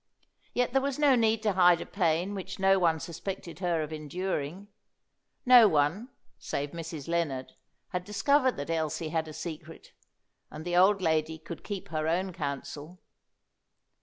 Yet there was no need to hide a pain which no one suspected her of enduring. No one, save Mrs. Lennard, had discovered that Elsie had a secret, and the old lady could keep her own counsel.